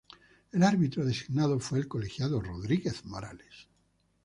El árbitro designado fue el colegiado Rodríguez Morales.